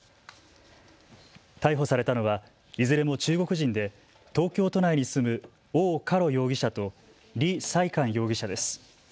逮捕されたのはいずれも中国人で東京都内に住む王嘉ろ容疑者と李さい寒容疑者です。